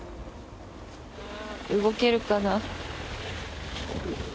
動けるかな。